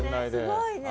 すごいね。